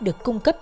được cung cấp